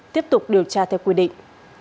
tiếp tục điều tra theo quy định